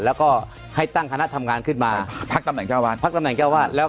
แล้วก็ให้ตั้งคำนักทำงานขึ้นมาพักตำแหน่งเจ้าวัด